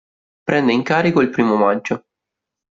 Prende incarico il primo maggio.